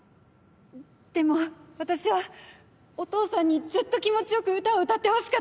でも私はお父さんにずっと気持ちよく歌を歌ってほしかったの。